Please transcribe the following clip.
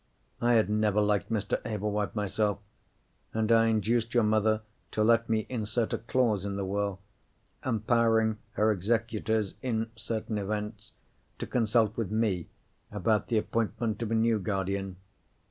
I had never liked Mr. Ablewhite myself, and I induced your mother to let me insert a clause in the will, empowering her executors, in certain events, to consult with me about the appointment of a new guardian.